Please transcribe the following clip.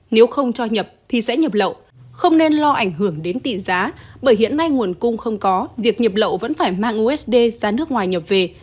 nếu không cho nhập thì sẽ nhập lậu không nên lo ảnh hưởng đến tỷ giá bởi hiện nay nguồn cung không có việc nhập lậu vẫn phải mang usd ra nước ngoài nhập về